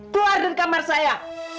keluar dari kamar saya